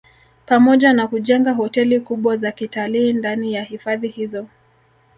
Pamoja na kujenga hoteli kubwa za kitalii ndani ya hifadhi hizo